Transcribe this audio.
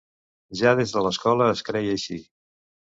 Ja des de l'escola es creia així.